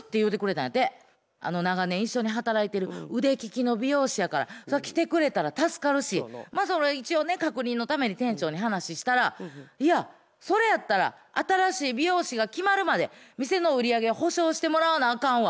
長年一緒に働いてる腕利きの美容師やからそれは来てくれたら助かるし一応確認のために店長に話ししたら「いやそれやったら新しい美容師が決まるまで店の売り上げは補償してもらわなあかんわ。